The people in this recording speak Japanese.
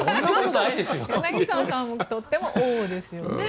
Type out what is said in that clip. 柳澤さんもとってもオーですね。